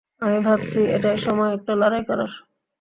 আমি ভাবছি, এটাই সময় একটা লড়াই করার।